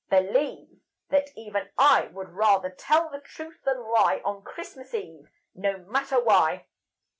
"Believe that even I Would rather tell the truth than lie On Christmas Eve. No matter why."